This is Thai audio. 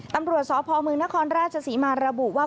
ตำรวจสอบพมนครราชสีมาระบุว่า